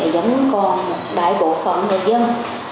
vẫn còn một đại bộ phận người dân